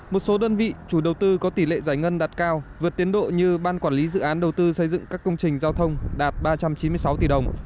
một số đơn vị chủ đầu tư có tỷ lệ giải ngân đạt cao vượt tiến độ như ban quản lý dự án đầu tư xây dựng các công trình giao thông đạt ba trăm chín mươi sáu tỷ đồng